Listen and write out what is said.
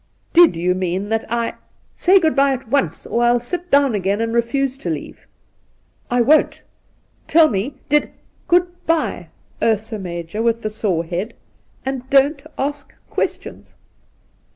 ' Did you mean that I '' Say good bye at once, or I'll sit down again and refuse to leave.' ' I won't ! Tell me, did '' Good bye, Ursa Major with the sore head, and don't ask questions.'